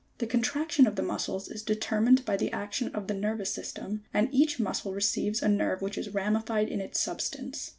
65. The contraction of the muscles is determined by the ac tion of the nervous system, and each muscle receives a nerve which is ramified in its substance.